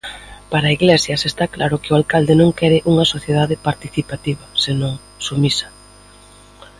Para Iglesias está claro que o alcalde non quere unha sociedade participativa senón submisa.